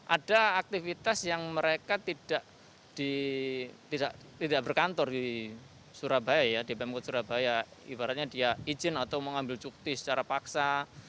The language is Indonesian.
ada aktivitas yang mereka tidak berkantor di bmpk surabaya ibaratnya dia izin atau mengambil cuti secara paksa